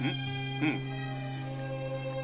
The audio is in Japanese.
うん。